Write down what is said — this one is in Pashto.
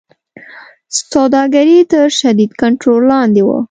سوداګري تر شدید کنټرول لاندې وه.